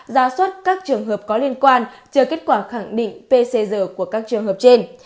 ra xuất các trường hợp có liên quan chờ kết quả khẳng định pcg của các trường hợp trên